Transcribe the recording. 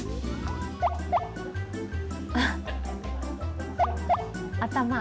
あっ、頭。